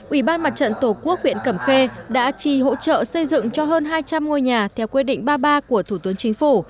ủy ban mặt trận tổ quốc huyện cẩm khê đã trì hỗ trợ xây dựng cho hơn hai trăm linh ngôi nhà theo quyết định ba mươi ba của thủ tướng chính phủ